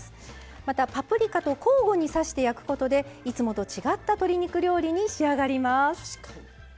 またパプリカと交互に刺して焼くことでいつもと違った鶏肉料理に仕上がります。